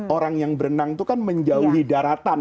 orang yang berenang itu kan menjauhi daratan